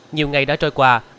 nhiều ngày đã trôi qua